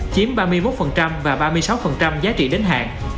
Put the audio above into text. chiếm ba mươi một và ba mươi sáu giá trị đến hạn